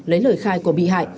lấy lời khai của bị hại